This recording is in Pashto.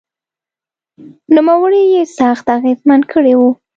نوموړي یې سخت اغېزمن کړی و